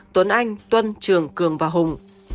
tuấn anh tuân trường cường và hùng